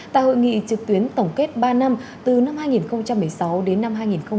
tại hội nghị trực tuyến tổng kết ba năm từ năm hai nghìn một mươi sáu đến năm hai nghìn hai mươi